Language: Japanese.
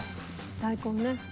大根ね。